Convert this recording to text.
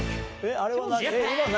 あれは何？